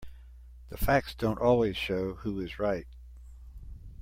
The facts don't always show who is right.